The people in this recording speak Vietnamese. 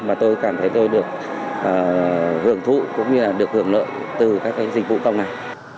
và tôi cảm thấy tôi được hưởng thụ cũng như được hưởng lợi từ các dịch vụ công này